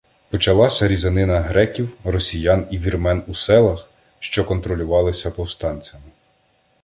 Почалася «різанина греків, росіян і вірмен» у селах, що контролювалися повстанцями.